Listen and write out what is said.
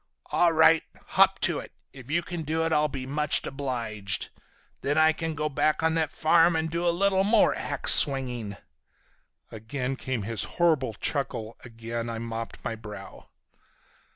'All right, hop to it. If you can do it I'll be much obliged. Then I can go back on that farm and do a little more ax swinging!'" Again came his horrible chuckle, again I mopped my brow.